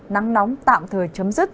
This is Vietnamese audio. nắng nóng tạm thời chấm dứt